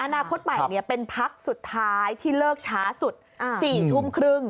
อนาคตใหม่เป็นพักสุดท้ายที่เลิกช้าสุด๔ทุ่มครึ่ง